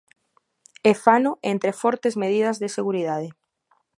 E fano entre fortes medidas de seguridade.